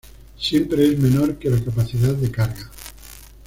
Siempre es menor que la capacidad de carga.